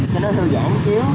cho nó thư giãn chứ